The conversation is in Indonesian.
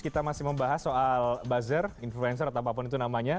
kita masih membahas soal buzzer influencer atau apapun itu namanya